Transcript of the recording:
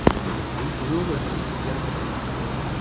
Jusqu'au jour où la famille oublia le beurre.